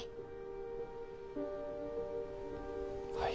はい。